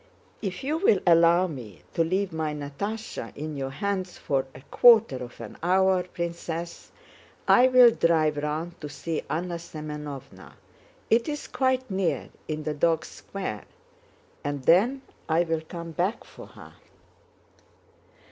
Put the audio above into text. "If you'll allow me to leave my Natásha in your hands for a quarter of an hour, Princess, I'll drive round to see Anna Semënovna, it's quite near in the Dogs' Square, and then I'll come back for her."